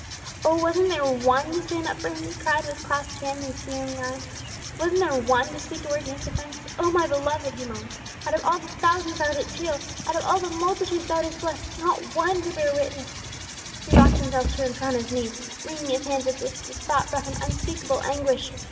"Oh, wasn't there one to stand up for Him?" he cried, with clasped hands and streaming eyes. "Wasn't there one to speak a word in His defence? O my Beloved!" he moaned. "Out of all the thousands Thou didst heal, out of all the multitudes Thou didst bless, not one to bear witness!" He rocked himself to and fro on his knees, wringing his hands as if the thought brought him unspeakable anguish.